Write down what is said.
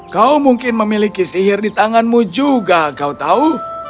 kau mungkin memiliki sihir di tanganmu juga kau tahu